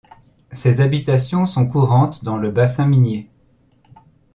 Ces habitations sont courantes dans le bassin minier.